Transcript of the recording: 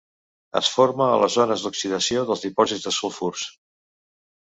Es forma a les zones d'oxidació dels dipòsits de sulfurs.